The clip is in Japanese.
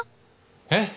え？